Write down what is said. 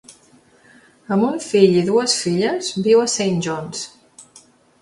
Amb un fill i dues filles, viu a Saint John's.